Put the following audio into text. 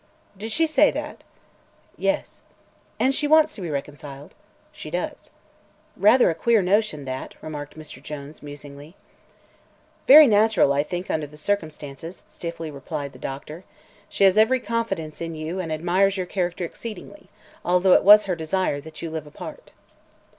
"Did she say that?" "Yes." "And she wants to be reconciled?" "She does." "Rather a queer notion, that," remarked Mr. Jones, musingly. "Very natural, I think, under the circumstances," stiffly replied the doctor. "She has every confidence in you and admires your character exceedingly, although it was her desire that you live apart."